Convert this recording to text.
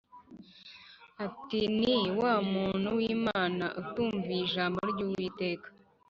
ati “Ni wa muntu w’Imana utumviye ijambo ry’Uwiteka